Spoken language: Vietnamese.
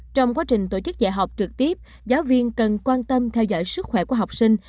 trong quá trình tổ chức dạy học trực tiếp giáo viên cần quan tâm theo dõi sức khỏe của học sinh